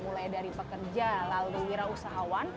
mulai dari pekerja lalu wirausahawan